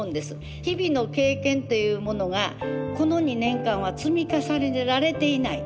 日々の経験というものがこの２年間は積み重ねられていない。